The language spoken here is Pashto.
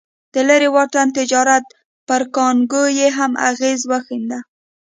د لرې واټن تجارت پر کانګو یې هم اغېز وښند.